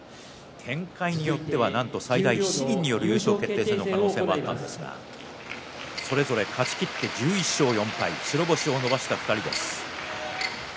展開によってはなんと最大７人による優勝決定戦の可能性もあったんですがそれぞれ勝ち切って１１勝４敗白星を伸ばした２人です。